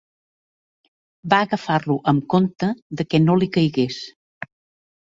Va agafar-lo amb conte de que no li caigués